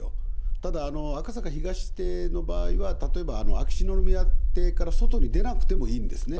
ただ、赤坂東邸の場合は、例えば秋篠宮邸から外に出なくてもいいんですね。